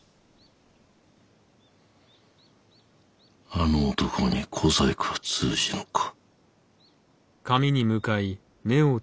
あの男に小細工は通じぬか。